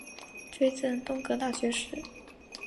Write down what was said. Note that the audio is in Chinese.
追赠东阁大学士。